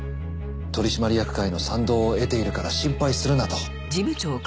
取締役会の賛同を得ているから心配するなと。